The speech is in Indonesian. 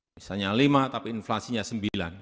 misalnya lima tapi inflasinya sembilan